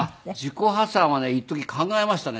自己破産はね一時考えましたね。